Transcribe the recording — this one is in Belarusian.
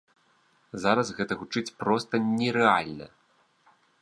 Зараз гэта гучыць проста нерэальна.